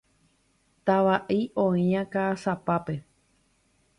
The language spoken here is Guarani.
Tava'i oĩva Ka'asapápe.